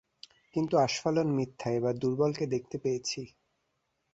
কিন্তু আস্ফালন মিথ্যে, এবার দুর্বলকে দেখতে পেয়েছি।